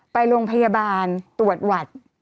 ไปโรงพยาบาลตรวจหวัด